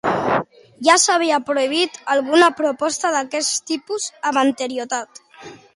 Ja s'havia prohibit alguna proposta d'aquest tipus amb anterioritat?